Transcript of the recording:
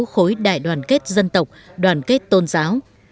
khối đại đoàn kết dân tộc đoàn kết tôn giáo